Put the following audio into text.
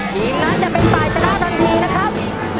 ทีมนั้นจะเป็นฝ่ายชนะทันทีนะครับ